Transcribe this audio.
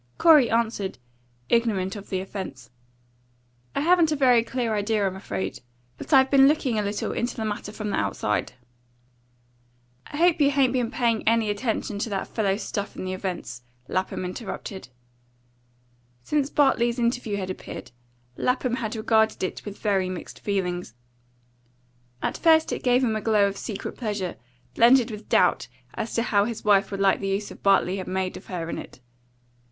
Corey answered, ignorant of the offence: "I haven't a very clear idea, I'm afraid; but I've been looking a little into the matter from the outside." "I hope you hain't been paying any attention to that fellow's stuff in the Events?" Lapham interrupted. Since Bartley's interview had appeared, Lapham had regarded it with very mixed feelings. At first it gave him a glow of secret pleasure, blended with doubt as to how his wife would like the use Bartley had made of her in it.